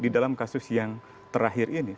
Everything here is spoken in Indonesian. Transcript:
di dalam kasus yang terakhir ini